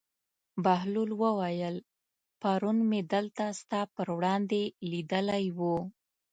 بهلول وویل: پرون مې دلته ستا پر وړاندې لیدلی و.